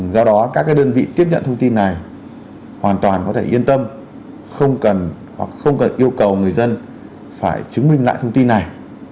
do đó các đơn vị tiếp nhận thông tin này hoàn toàn có thể yên tâm không cần yêu cầu người dân phải chứng minh lại thông tin này